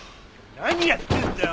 何やってんだよ！